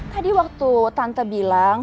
tadi waktu tante bilang